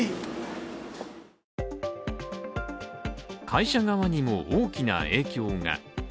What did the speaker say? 会社側にも大きな影響が。